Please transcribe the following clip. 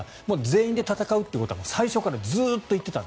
全員で戦うということは最初からずっと言っていた。